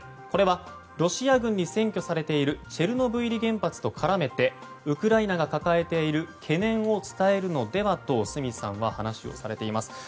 これはロシア軍に占拠されているチェルノブイリ原発と絡めてウクライナが抱えている懸念を伝えるのではと角さんは話をされています。